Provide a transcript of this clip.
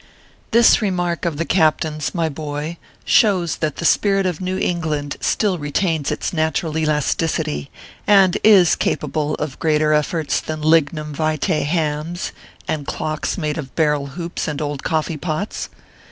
This remark of the captain s, my boy ; shows that 192 ORPHEUS C. KERB PAPERS. the spirit of New England still retains its natural elasticity, and is capable of greater efforts than lignum vitse hams and clocks made of barrel hoops and old coffee pots.